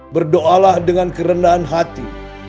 berdoalah dengan kerendahan hati